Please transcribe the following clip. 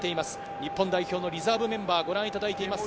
日本代表のリザーブメンバーをご覧いただいています。